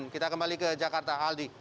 kita kembali ke jakarta aldi